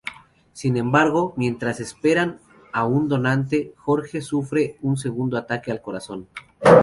Sin embargo, mientras esperan a un donante, Jorge sufre un segundo ataque al corazón.